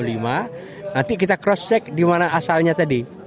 nanti kita cross check dimana asalnya tadi